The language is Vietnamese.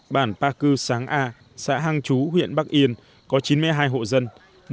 bản pa cư sáng a xã hang chú huyện bắc yên có chín mươi hai hộ dân